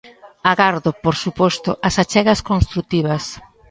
Agardo, por suposto, as achegas construtivas.